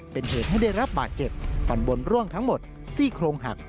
เป็นเหตุให้ได้รับบาดเจ็บฟันบนร่วงทั้งหมดซี่โครงหัก